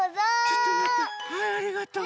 ちょっとまってはいありがとう。